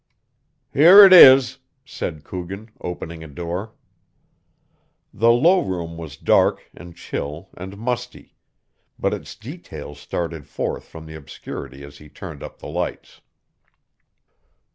"Here it is," said Coogan, opening a door. The low room was dark and chill and musty, but its details started forth from the obscurity as he turned up the lights.